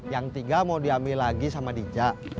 yang tiga mau diambil lagi sama dija